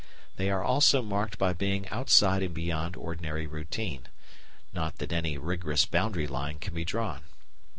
They are also marked by being outside and beyond ordinary routine not that any rigorous boundary line can be drawn.